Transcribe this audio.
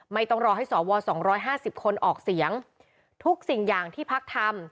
ไม่ต้องรอให้สอวรสองร้อยห้าสิบคนออกเสียงทุกสิ่งอย่างที่พักธรรม